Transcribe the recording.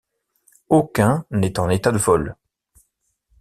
Aucun n'est en état de vol.